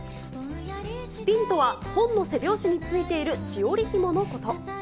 スピンとは、本の背表紙についているしおりひものこと。